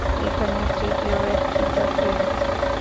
এখানে তৃতীয় ব্যক্তিটা কে?